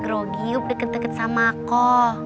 grogi yuk diketeket sama aku